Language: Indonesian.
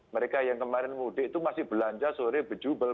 mereka yang kemarin mudik itu masih belanja sore bejubel